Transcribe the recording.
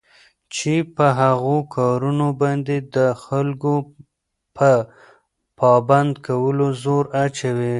چې په هغو كارونو باندي دخلكوپه پابند كولو زور اچوي